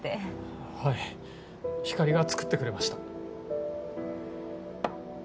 はい光莉が作ってくれました。